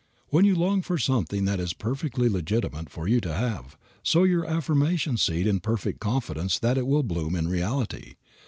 When you long for something that it is perfectly legitimate for you to have, sow your affirmation seed in perfect confidence that it will bloom in reality.